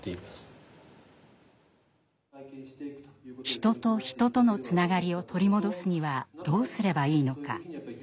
人と人とのつながりを取り戻すにはどうすればいいのか？